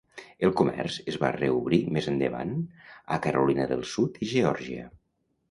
El comerç es va reobrir més endavant a Carolina del Sud i Geòrgia.